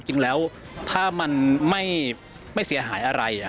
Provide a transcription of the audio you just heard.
จริงแล้วถ้ามันไม่เสียหายอะไร